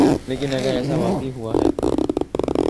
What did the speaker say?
لیکن اگر ایسا واقعی ہوا ہے۔